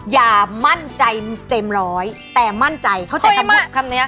อย่ามั่นใจเต็มร้อยแต่มั่นใจเข้าใจคำพูดคำนี้